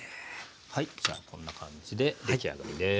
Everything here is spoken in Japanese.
じゃあこんな感じで出来上がりです。